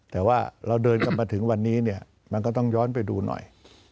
แต่ว่าเราเดินกันมาถึงวันนี้เนี่ยมันก็ต้องย้อนไปดูหน่อย